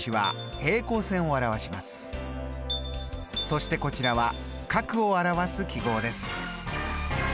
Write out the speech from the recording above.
そしてこちらは角を表す記号です。